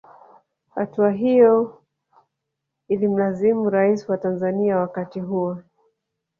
Hatua hiyo ilimlazimu rais wa Tanzanzia wakati huo